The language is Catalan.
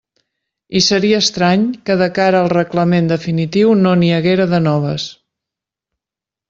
I seria estrany que de cara al reglament definitiu no n'hi haguera de noves.